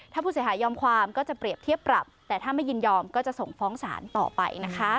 ถ้าผู้เสียหายยอมความก็จะเปรียบเทียบปรับแต่ถ้าไม่ยินยอมก็จะส่งฟ้องศาลต่อไปนะคะ